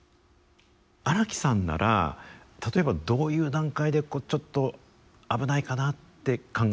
荒木さんなら例えばどういう段階でちょっと危ないかなって考え始めるんですか。